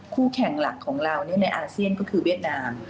คู่แข่งหลักของเราในอาเซียนก็คือเวียดนาม